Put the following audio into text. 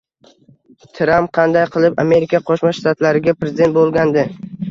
Tramp qanday qilib Amerika Qo'shma Shtatlariga prezident bo‘lgandi?